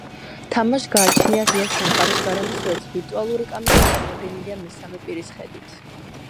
თამაშს გააჩნია ღია სამყაროს გარემო, სადაც ვირტუალური კამერა წარმოდგენილია მესამე პირის ხედვით.